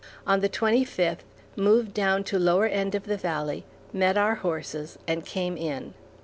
On the twenty fifth moved down to lower end of the valley, met our horses, and came in.